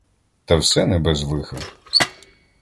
Та все не без лиха.